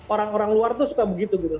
orang orang luar tuh suka begitu gitu